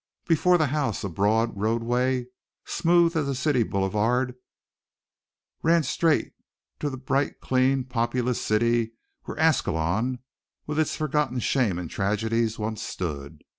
Before the house a broad roadway, smooth as a city boulevard, ran straight to the bright, clean, populous city where Ascalon, with its forgotten shame and tragedies, once stood.